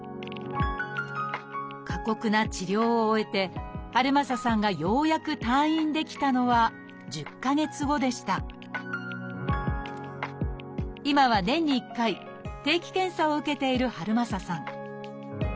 過酷な治療を終えて遥政さんがようやく退院できたのは１０か月後でした今は年に１回定期検査を受けている遥政さん。